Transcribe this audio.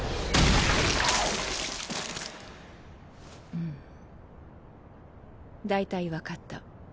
うん。大体分かった。